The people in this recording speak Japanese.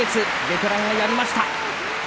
ベテランがやりました。